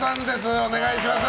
お願いします。